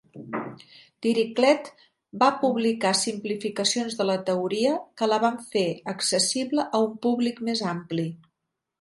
Dirichlet va publicar simplificacions de la teoria que la van fer accessible a un públic més ampli.